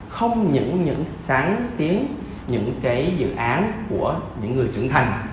không những những sáng kiến những cái dự án của những người trưởng thành